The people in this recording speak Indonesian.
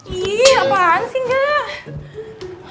ih apaan sih gak